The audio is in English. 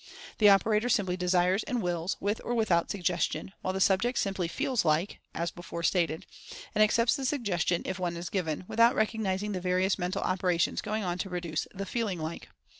The operator simply Desires and Wills, with or without Sugges tion; while the subject simply "feels like" (as before stated) and accepts the Suggestion if one is given, without recognizing the various mental operations going on to produce the "feeling like."